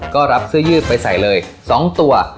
ก็รับเสื้อยืดไปใส่เลย๒ตัว